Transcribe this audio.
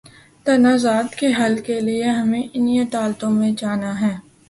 تنازعات کے حل کے لیے ہمیں انہی عدالتوں میں جانا ہے۔